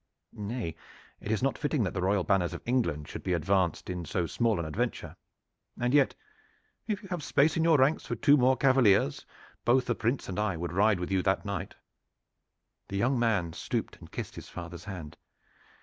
"Nay, it is not fitting that the royal banners of England should be advanced in so small an adventure. And yet, if you have space in your ranks for two more cavaliers, both the Prince and I would ride with you that night." The young man stooped and kissed his father's hand.